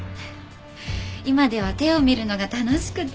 今では手を見るのが楽しくて。